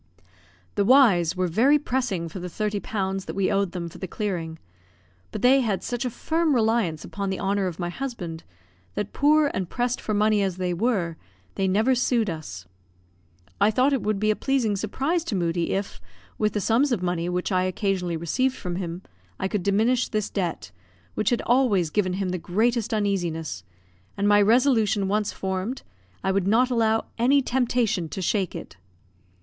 The Y y's were very pressing for the thirty pounds that we owed them for the clearing; but they had such a firm reliance upon the honour of my husband, that, poor and pressed for money as they were, they never sued us. I thought it would be a pleasing surprise to Moodie, if, with the sums of money which I occasionally received from him, I could diminish this debt, which had always given him the greatest uneasiness; and, my resolution once formed, I would not allow any temptation to shake it.